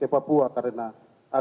kami tidak keberanian